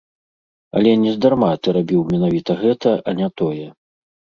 Але нездарма ты рабіў менавіта гэта, а не тое.